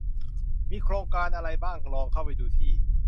มีโครงการอะไรบ้างลองเข้าไปดูที่